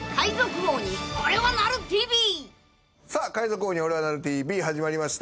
『海賊王におれはなるＴＶ』始まりました。